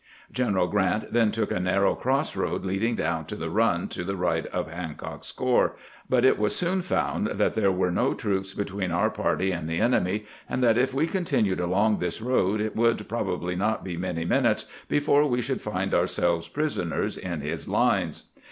General Grant then took a narrow cross road leading down to the Eun to the right of Hancock's corps ; but it was soon found that there were no troops between our party and the enemy, and that if we continued along this road it would prob ably not be many minutes before we should find our selves prisoners in his lines.